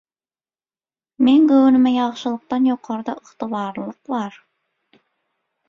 Meň göwnüme ýagşylykdan ýokarda ygtybarlylyk bar.